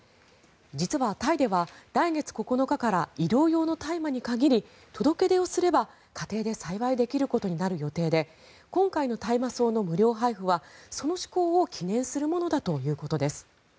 実はタイでは来月９日から医療用の大麻に限り届け出をすれば家庭で栽培することが可能になり今回の大麻草の無料配布はその施行を記念するものだということです。